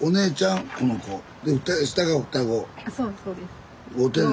あそうそうです。